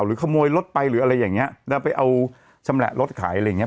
ขโมยรถไปหรืออะไรอย่างเงี้ยแล้วไปเอาชำแหละรถขายอะไรอย่างเง